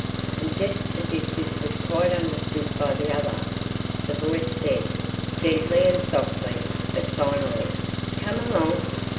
And just as if this was quite understood by the other, the voice said, gently and softly, but finally, "Come along!"